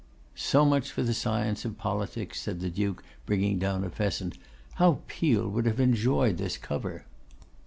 'So much for the science of politics,' said the Duke, bringing down a pheasant. 'How Peel would have enjoyed this cover!